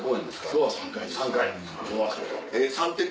今日は３回です。